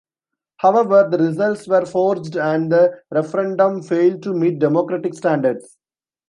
However, the results were forged and the referendum failed to meet democratic standards.